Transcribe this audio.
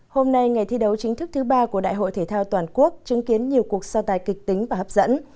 hôm nay ngày thi đấu chính thức thứ ba của đại hội thể thao toàn quốc chứng kiến nhiều cuộc so tài kịch tính và hấp dẫn